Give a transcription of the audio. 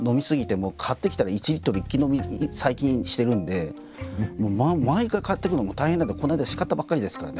もう買ってきたら１リットル一気飲み最近してるんで毎回買ってくるのも大変なんでこの間叱ったばっかりですからね。